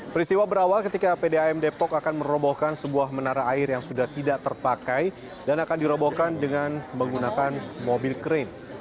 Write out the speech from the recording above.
peristiwa berawal ketika pdam depok akan merobohkan sebuah menara air yang sudah tidak terpakai dan akan dirobohkan dengan menggunakan mobil krain